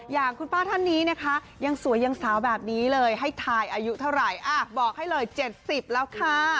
อย่างคุณป้าท่านนี้นะคะยังสวยยังสาวแบบนี้เลยให้ทายอายุเท่าไหร่บอกให้เลย๗๐แล้วค่ะ